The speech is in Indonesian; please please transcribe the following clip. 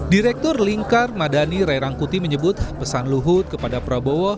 direktur lingkar madani ray rangkuti menyebut pesan luhut kepada prabowo